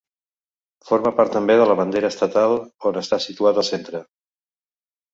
Forma part també de la bandera estatal, on està situat al centre.